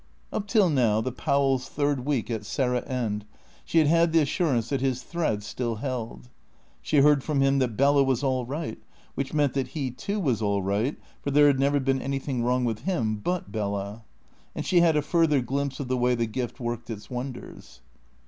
Up till now, the Powells' third week at Sarratt End, she had had the assurance that his thread still held. She heard from him that Bella was all right, which meant that he too was all right, for there had never been anything wrong with him but Bella. And she had a further glimpse of the way the gift worked its wonders.